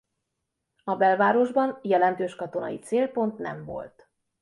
A belvárosban jelentős katonai célpont nem volt.